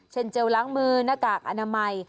เจลล้างมือหน้ากากอนามัย